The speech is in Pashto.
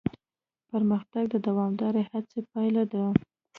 پرمختګ د دوامداره هڅې پایله ده.